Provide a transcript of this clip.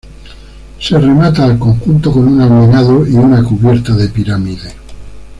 Se remata el conjunto con un almenado y una cubierta en pirámide.